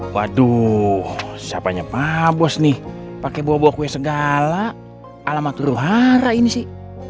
waduh siapanya pak bos nih pakai bawa bawa kue segala alamat ruhara ini sih